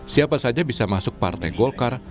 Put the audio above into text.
siapa saja bisa masuk partai golkar